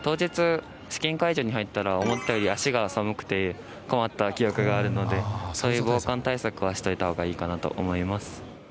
思ったより足が寒くて困った記憶があるのでそういう防寒対策はしておいた方がいいかなと思います。